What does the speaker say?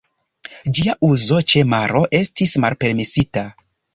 Ĝia uzo ĉe maro estis malpermesita.